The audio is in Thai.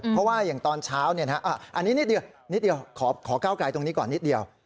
เพราะว่าอย่างตอนเช้าอันนี้นิดเดียวขอก้าวไกลตรงนี้ก่อนนิดเดียว